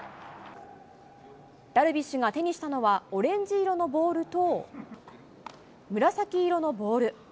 ダルビッシュが手にしたのは、オレンジ色のボールと、紫色のボール。